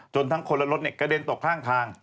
จนทั้งคนและรถเนี่ยกระเด็นตกข้าง